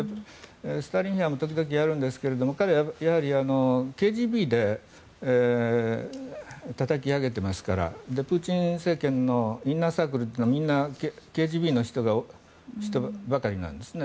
スターリン批判も時々やるんですが、彼はＫＧＢでたたき上げてますからプーチン政権のインナーサークルはみんなＫＧＢの人ばかりなんですね。